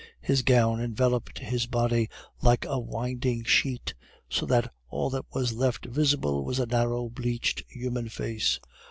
His gown enveloped his body like a winding sheet, so that all that was left visible was a narrow bleached human face.